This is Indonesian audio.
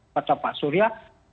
kata pak surya